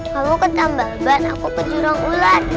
kamu ke ambalban aku ke jurang ular